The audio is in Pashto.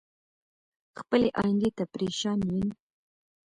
خپلې ايندی ته پریشان ين